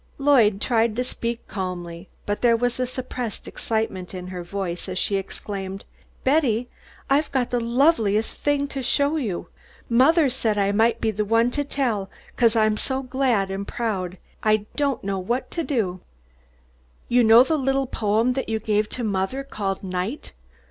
Lloyd tried to speak calmly, but there was a suppressed excitement in her voice as she exclaimed, "Betty, I've got the loveliest thing to show you. Mothah said I might be the one to tell, 'cause I'm so glad and proud, I don't know what to do. You know that little poem that you gave to mothah, called 'Night?'